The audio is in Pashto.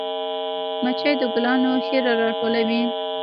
مچۍ د ګلانو شیره راټولوي